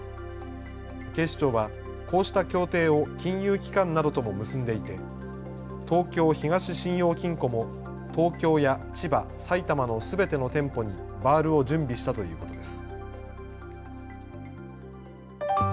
警視庁はこうした協定を金融機関などとも結んでいて東京東信用金庫も東京や千葉、埼玉のすべての店舗にバールを準備したということです。